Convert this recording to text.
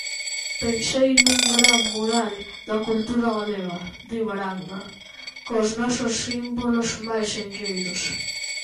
"Pensei nun gran mural da cultura galega", di Baranga, "cos nosos símbolos máis senlleiros".